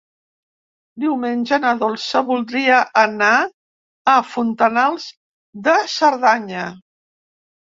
Diumenge na Dolça voldria anar a Fontanals de Cerdanya.